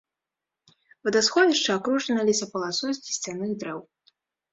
Вадасховішча акружана лесапаласой з лісцяных дрэў.